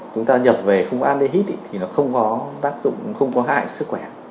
chúng ta nhập về không có ăn để hít thì nó không có tác dụng không có hại cho sức khỏe